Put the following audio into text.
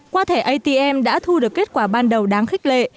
qua thẻ atm đã thu được kết quả ban đầu đáng khích lệ